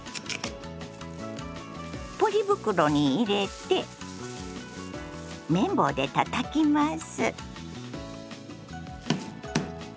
ポリ袋に入れて麺棒でたたきます。